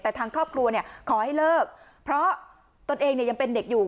แต่ทางครอบครัวขอให้เลิกเพราะตนเองยังเป็นเด็กอยู่